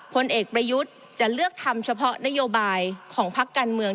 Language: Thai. ผลเอกประยุทธ์จะเลือกทำเฉพาะนโยบายของพักการเมือง